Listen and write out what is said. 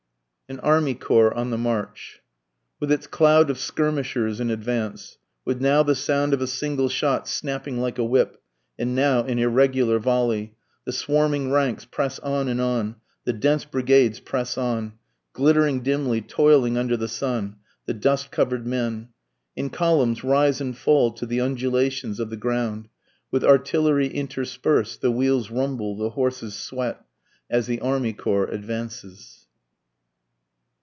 AN ARMY CORPS ON THE MARCH. With its cloud of skirmishers in advance, With now the sound of a single shot snapping like a whip, and now an irregular volley, The swarming ranks press on and on, the dense brigades press on, Glittering dimly, toiling under the sun the dust cover'd men, In columns rise and fall to the undulations of the ground, With artillery interspers'd the wheels rumble, the horses sweat, As the army corps advances.